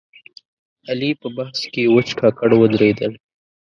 علي په بحث کې وچ ککړ ودرېدل.